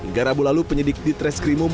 hingga rabu lalu penyidik di treskrimum